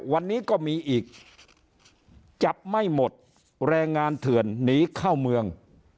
วันนี้ก็มีอีกจับไม่หมดแรงงานเถื่อนหนีเข้าเมือง